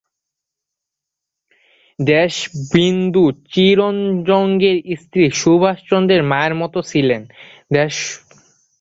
দেশবিন্ধু চিত্তরঞ্জনের স্ত্রী সুভাষচন্দ্রের মায়ের মতো ছিলেন।